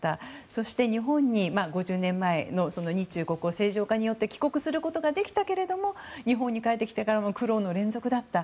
そして日本に５０年前の日中国交正常化によって帰国することができたけれども日本に帰ってきてからも苦労の連続だった。